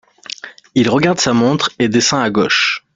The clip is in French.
Il regarde à sa montre et descend à gauche.